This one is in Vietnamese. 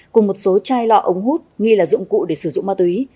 cùng một số chai lọ ống hút nghi là dụng cụ để sử dụng ma túy